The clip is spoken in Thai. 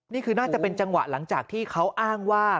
นี่คือน่าจะเป็นจังหวะหลังจากที่เขาอ้างว่า